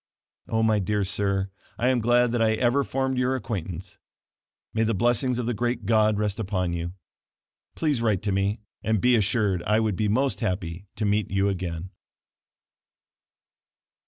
Oh, my dear sir, I am glad that I ever formed your acquaintance; may the blessing of the great God rest upon you. Please write to me, and be assured, I would be most happy to meet you again.